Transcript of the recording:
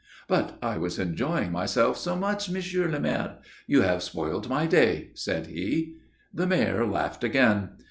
"But I was enjoying myself so much, Monsieur le Maire. You have spoiled my day," said he. The Mayor laughed again.